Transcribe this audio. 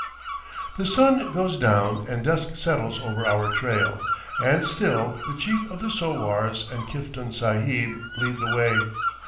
The sun goes down and dusk settles over our trail, and still the chief of the sowars and Kiftan Sahib lead the way.